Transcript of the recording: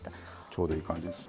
ちょうどいい感じです。